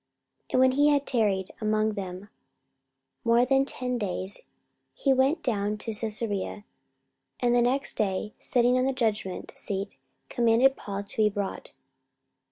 44:025:006 And when he had tarried among them more than ten days, he went down unto Caesarea; and the next day sitting on the judgment seat commanded Paul to be brought.